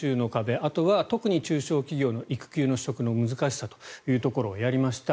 あとは特に中小企業の育休の取得の難しさというところをやりました。